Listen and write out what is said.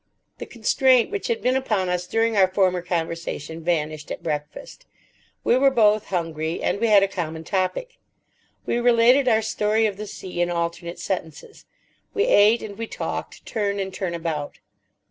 The constraint which had been upon us during our former conversation vanished at breakfast. We were both hungry, and we had a common topic. We related our story of the sea in alternate sentences. We ate and we talked, turn and turn about.